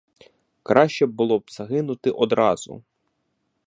Краще було б загинути одразу.